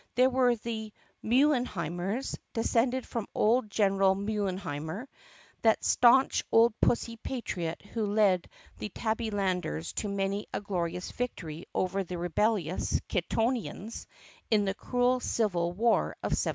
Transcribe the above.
There were the Mewlenheimers, descended from old General Mewlenheimer, that stanch old pussy patriot who led the Tabbylanders to many a glorious victory over the rebellious Kittonians in the cruel civil war of 1792.